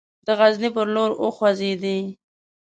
د غزني پر لور وخوځېدی.